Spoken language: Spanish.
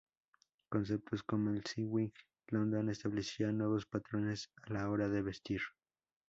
Conceptos como el Swinging London establecían nuevos patrones a la hora de vestir.